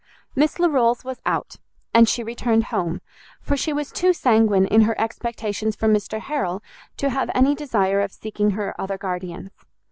Miss Larolles was out, and she returned home; for she was too sanguine in her expectations from Mr Harrel, to have any desire of seeking her other guardians.